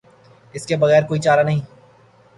اس کے بغیر کوئی چارہ نہیں۔